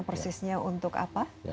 persisnya untuk apa